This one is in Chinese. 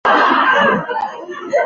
他是萨拉戈萨博物馆主任。